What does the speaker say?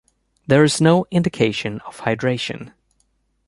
There is no indication of hydration.